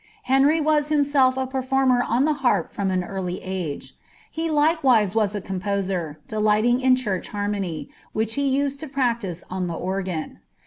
. Henry was himself a pecfomier oa the harp from an early age. He likewise was a composer, dctigkiing ■ chtirch harmony, which he used in practise on the or; gan.'